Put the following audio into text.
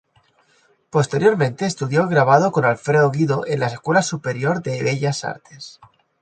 Posteriormente estudió grabado con Alfredo Guido en la Escuela Superior de Bellas Artes.